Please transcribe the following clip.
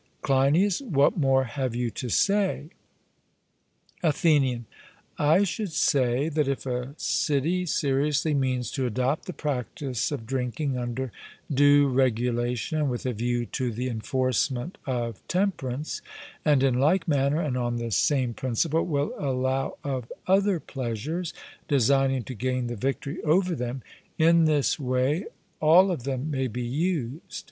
CLEINIAS: What more have you to say? ATHENIAN: I should say that if a city seriously means to adopt the practice of drinking under due regulation and with a view to the enforcement of temperance, and in like manner, and on the same principle, will allow of other pleasures, designing to gain the victory over them in this way all of them may be used.